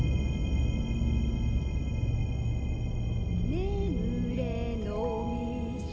ねむれのうみそ